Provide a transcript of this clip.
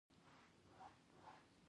نجلۍ نګهت په پلو غوټه کړ